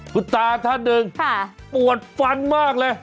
คุณตาท่านหนึ่งปวดฟันมากเลย